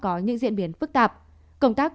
có những diễn biến phức tạp công tác